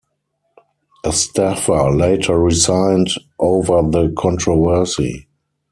A staffer later resigned over the controversy.